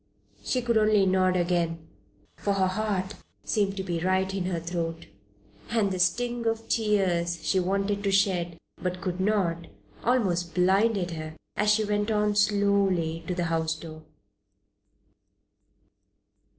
She could only nod again, for her heart seemed to be right in her throat, and the sting of the tears she wanted to shed, but could not, almost blinded her as she went on slowly to the house door.